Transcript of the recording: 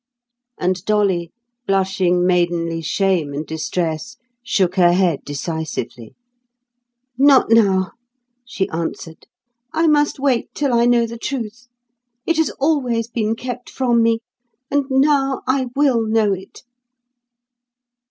And Dolly, blushing maidenly shame and distress, shook her head decisively. "Not now," she answered. "I must wait till I know the truth. It has always been kept from me. And now I will know it."